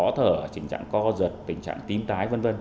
khó thở tình trạng co giật tình trạng tím tái v v